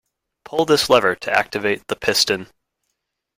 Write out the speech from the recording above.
Pull this lever to activate the piston.